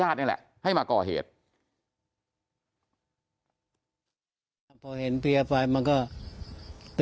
แบบนี้แหละให้มาก่อเหตต์